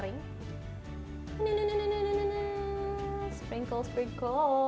ini ada kelapa kering